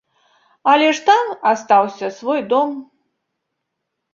Але ж там астаўся свой дом.